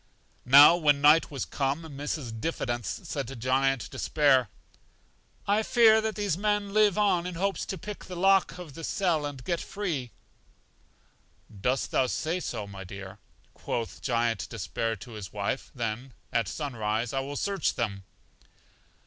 Now, when night was come, Mrs. Diffidence said to Giant Despair: I fear much that these men live on in hopes to pick the lock of the cell and get free. Dost thou say so, my dear? quoth Giant Despair to his wife; then at sun rise I will search them.